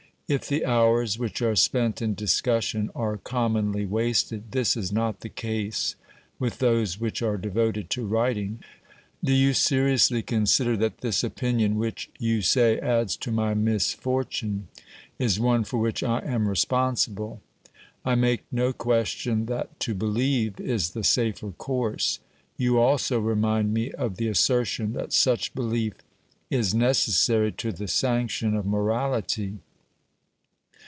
If the hours which are spent in discussion are commonly wasted, this is not the case with those which are devoted to writing. Do you seriously consider that this opinion which, you say, adds to my misfortune, is one for which I am respon sible? I make no question that to believe is the safer course. You also remind me of the assertion that such belief is necessary to the sanction of morality.